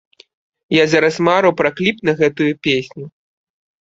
Я зараз мару пра кліп на гэтую песню.